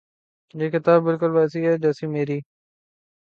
یہ کتاب بالکل ویسی ہے جیسی میری